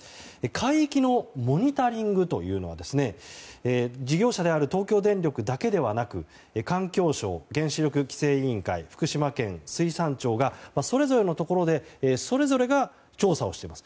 海域のモニタリングというのは事業者である東京電力だけではなく環境省、原子力規制委員会福島県、水産庁がそれぞれのところでそれぞれが調査をしています。